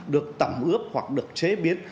được tẩm ướp hoặc được chế biến